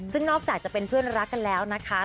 ซึ่งนอกจากจะเป็นเพื่อนรักกันแล้วนะคะ